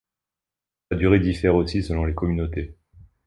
Sa durée diffère aussi selon les communautés.